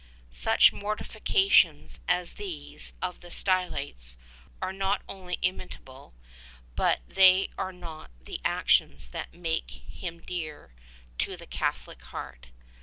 Such mortifi cations as these of the Stylites are not only not imitable, but they are not the actions that make him dear to the Catholic heart.